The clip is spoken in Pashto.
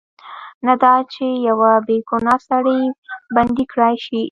نه دا چې یو بې ګناه سړی بندي کړای شي.